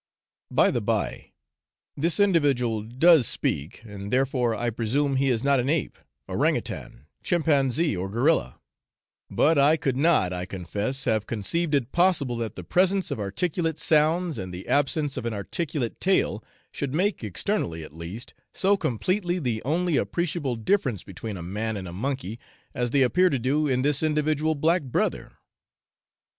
By the by, this individual does speak, and therefore I presume he is not an ape, ourang outang, chimpanzee, or gorilla; but I could not, I confess, have conceived it possible that the presence of articulate sounds, and the absence of an articulate tail, should make, externally at least, so completely the only appreciable difference between a man and a monkey, as they appear to do in this individual 'black brother.'